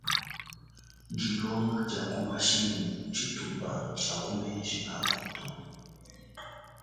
Dilonga dia ku mashinyi ntshitupa tshia ku menji a bantu.